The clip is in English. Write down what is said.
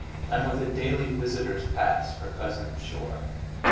And with a daily visitor's pass for Cousin Pschorr!...